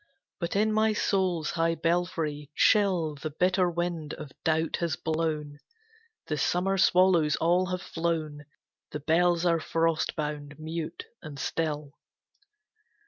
But in my soul's high belfry, chill The bitter wind of doubt has blown, The summer swallows all have flown, The bells are frost bound, mute and still.